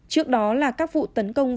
trước đó là các vụ tấn công